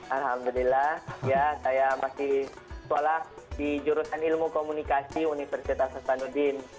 alhamdulillah ya saya masih sekolah di jurusan ilmu komunikasi universitas hasanuddin